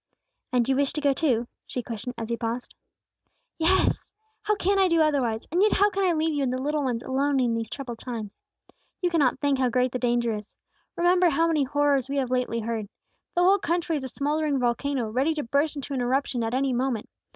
"And you wish to go too?" she questioned, as he paused. "Yes! How can I do otherwise? And yet how can I leave you and the little ones alone in these troubled times? You cannot think how great the danger is. Remember how many horrors we have lately heard. The whole country is a smouldering volcano, ready to burst into an eruption at any moment.